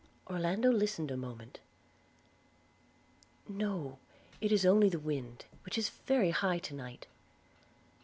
Orlando listened a moment. 'No – it is only the wind, which is very high to night.'